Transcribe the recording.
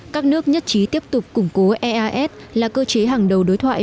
các nước nhất trí tiếp tục củng cố eas là cơ chế hàng đầu đối thoại